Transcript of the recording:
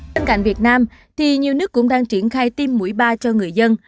tên cạnh việt nam nhiều nước cũng đang triển khai tiêm mũi ba cho người dân